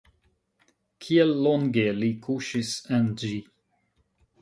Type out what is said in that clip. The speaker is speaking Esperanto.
Kiel longe li kuŝis en ĝi?